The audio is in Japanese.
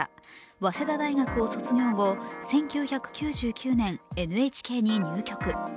早稲田大学を卒業後１９９９年、ＮＨＫに入局。